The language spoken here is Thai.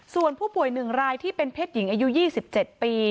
ส่วนผู้ป่วย๑รายที่เป็นเพศหญิงอายุ๒๗ปี